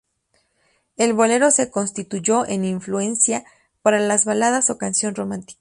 El bolero se constituyó en influencia para las baladas o canción romántica.